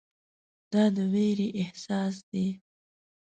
دا د ویرې احساس دی.